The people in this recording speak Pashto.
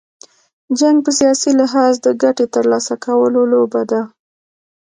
جنګ په سیاسي لحاظ، د ګټي تر لاسه کولو لوبه ده.